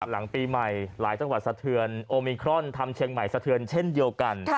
หลังปีใหม่หลายจังหวัดสะเทือนโอมิครอนทำเชียงใหม่สะเทือนเช่นเดียวกัน